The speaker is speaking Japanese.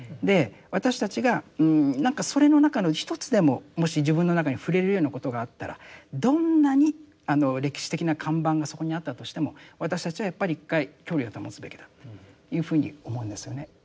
私たちがなんかそれの中の一つでももし自分の中に触れるようなことがあったらどんなに歴史的な看板がそこにあったとしても私たちはやっぱり一回距離を保つべきだというふうに思うんですよね。